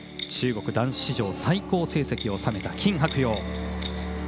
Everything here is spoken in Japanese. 中国男子史上最高成績を収めた金博洋。